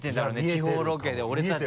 地方ロケで俺たち。